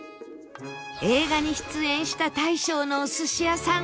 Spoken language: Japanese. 映画に出演した大将のお寿司屋さん